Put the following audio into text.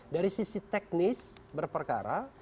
dari sisi teknis berperkara